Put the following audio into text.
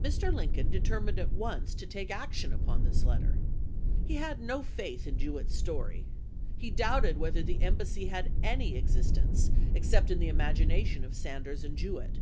m's. Mr. Lincoln determined at once to take action upon this letter. He had no faith in Jewett's story. He doubted whether the embassy had any exist ence, except in the imagination of Sanders and Jewett.